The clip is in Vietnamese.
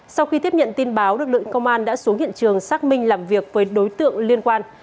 sau khi tiếp nhận tin báo lực lượng công an đã xuống hiện trường xác minh làm việc với đối tượng liên quan